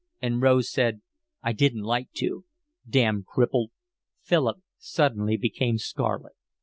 And Rose said: I didn't like to. Damned cripple." Philip suddenly became scarlet.